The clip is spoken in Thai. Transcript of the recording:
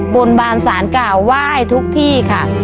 บนบานสารกล่าวไหว้ทุกที่ค่ะ